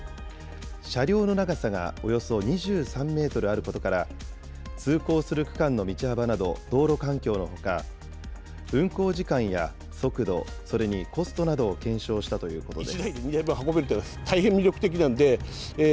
車両の長さがおよそ２３メートルあることから、通行する区間の道幅など、道路環境のほか、運行時間や速度、それにコストなどを検証したということです。